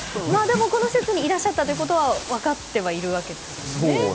この施設にいらっしゃったということは分かっているわけですよね。